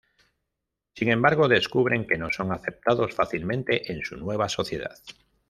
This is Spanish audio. Sin embargo, descubren que no son aceptados fácilmente en su nueva sociedad.